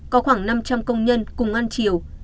có khoảng năm trăm linh công nhân cùng ăn chiều